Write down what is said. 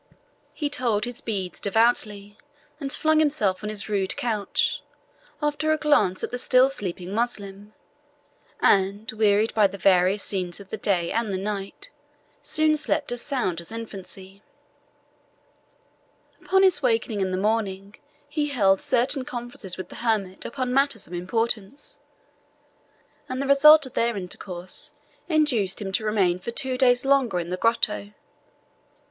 He told his beads devoutly, and flung himself on his rude couch, after a glance at the still sleeping Moslem, and, wearied by the various scenes of the day and the night, soon slept as sound as infancy. Upon his awaking in the morning, he held certain conferences with the hermit upon matters of importance, and the result of their intercourse induced him to remain for two days longer in the grotto.